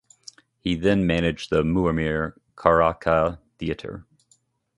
He then managed the Muammer Karaca theatre.